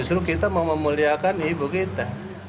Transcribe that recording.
justru kita mau memuliakan ibu kita